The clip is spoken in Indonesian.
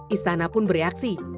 istana pun bereaksi